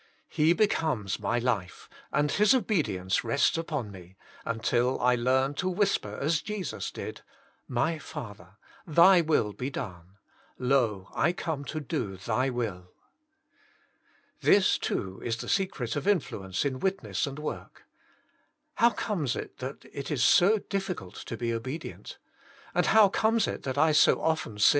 He be comes my life and His obedience rests upon me, until I learn to whisper as Jesus did, '< My Father, Thy will be done; lo, I come to do Thy will." This, too, is the secret of influence in witness and work. How comes it that it is so DffUcult to be obeMent, and how comes it that I so often sin